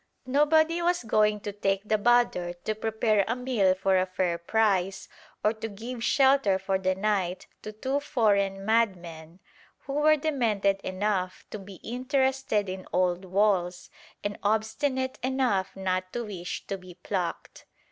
Nobody was going to take the bother to prepare a meal for a fair price or to give shelter for the night to two foreign madmen who were demented enough to be interested in "old walls" and obstinate enough not to wish to be "plucked."